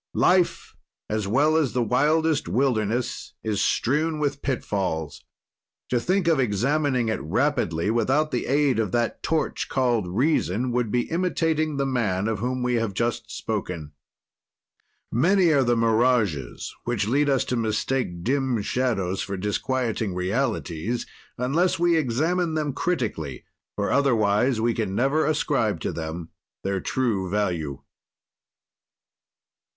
"Life, as well as the wildest wilderness, is strewn with pitfalls. To think of examining it rapidly, without the aid of that torch called reason, would be imitating the man of whom we have just spoken. "Many are the mirages, which lead us to mistake dim shadows for disquieting realities, unless we examine them critically, for otherwise we can never ascribe to them their true value.